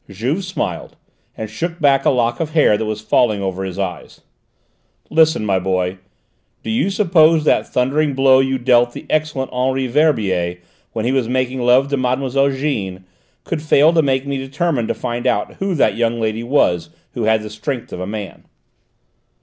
Juve smiled, and shook back a lock of hair that was falling over his eyes. "Listen, my boy: do you suppose that thundering blow you dealt the excellent Henri Verbier when he was making love to Mademoiselle Jeanne, could fail to make me determined to find out who that young lady was who had the strength of a man?"